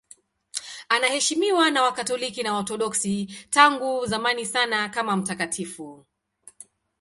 Anaheshimiwa na Wakatoliki na Waorthodoksi tangu zamani sana kama mtakatifu.